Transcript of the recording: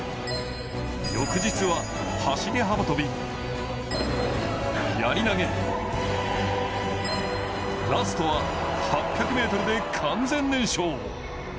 翌日は、走幅跳、やり投、ラストは８００ｍで完全燃焼。